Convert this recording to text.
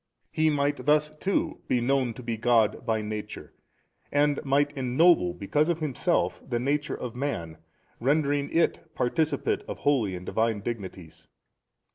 He might thus too be known to be God by Nature and might ennoble because of Himself the nature of man, rendering it participate of holy and Divine dignities.